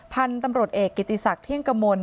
พันธุ์ตำรวจเอกกิติศักดิ์เที่ยงกมล